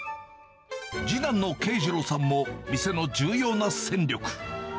次男のけいじろうさんも店の重要な戦力。